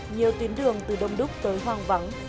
nhiều tuyến đường từ đông đúc tới hoang vắng